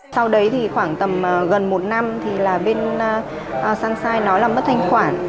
sau đấy thì khoảng tầm gần một năm thì là bên sunshine nó là mất thanh khoản